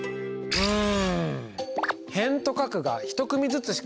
うん？